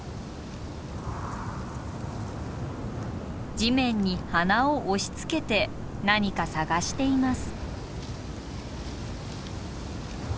地面に鼻を押しつけて何か探しています。